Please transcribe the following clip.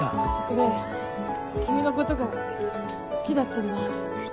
俺君のことが好きだったんだ。